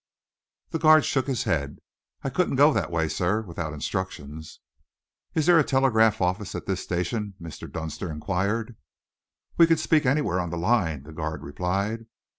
The guard shook his head. "I couldn't go on that way, sir, without instructions." "Is there a telegraph office at this station?" Mr. Dunster inquired. "We can speak anywhere on the line," the guard replied.